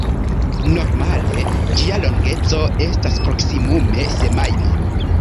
Normale ĝia longeco estas proksimume semajno.